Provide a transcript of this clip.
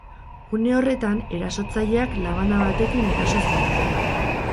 Une horretan, erasotzaileak labana batekin eraso zion.